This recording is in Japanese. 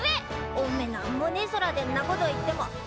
おめ何もねえ空でんなこと言ってもあっあれか！